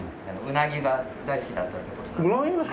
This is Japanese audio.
うなぎが好きだったの？